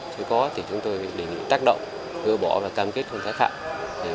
chứ có thì chúng tôi định tác động gỡ bỏ và cam kết không giải phạm